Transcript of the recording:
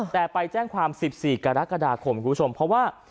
แต่ไปแจ้งความ๑๔กรกฎาคมคุณผู้ชมเพราะว่า